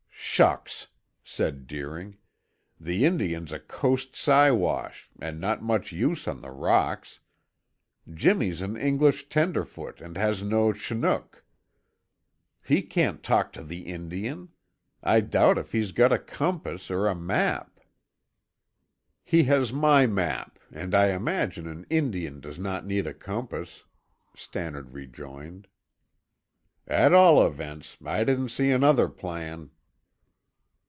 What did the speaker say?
"Shucks!" said Deering. "The Indian's a coast Siwash and not much use on the rocks. Jimmy's an English tenderfoot and has no Chinook. He can't talk to the Indian. I doubt if he's got a compass or a map." "He has my map and I imagine an Indian does not need a compass," Stannard rejoined. "At all events, I didn't see another plan."